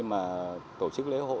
mà tổ chức lễ hội